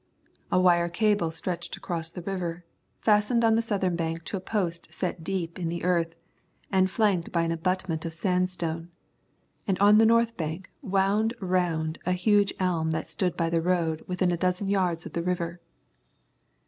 A wire cable stretched across the river, fastened on the south bank to a post set deep in the earth, and flanked by an abutment of sandstone, and on the north bank wound round a huge elm that stood by the road within a dozen yards of the river.